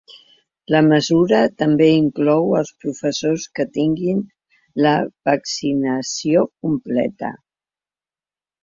La mesura també inclou els professors que tinguin la vaccinació completa.